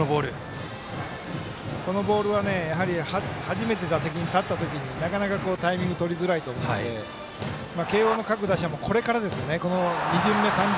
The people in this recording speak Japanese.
このボールは初めて打席に立ったときになかなかタイミングとりづらいと思うので慶応の各打者も、これからですね。